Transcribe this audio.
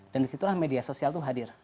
dan disitulah media sosial itu hadir